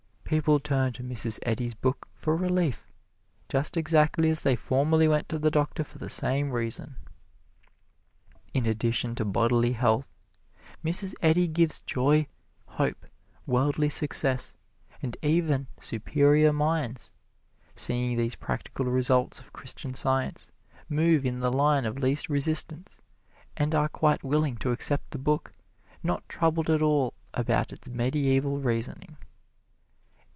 People turn to Mrs. Eddy's book for relief just exactly as they formerly went to the doctor for the same reason. In addition to bodily health, Mrs. Eddy gives joy, hope, worldly success; and even superior minds, seeing these practical results of Christian Science, move in the line of least resistance and are quite willing to accept the book, not troubled at all about its medieval reasoning.